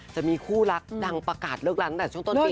จะมีคู่รักดังประกาศเลิกร้านตั้งแต่ช่วงต้นปี